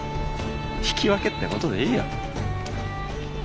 引き分けってことでいいよ。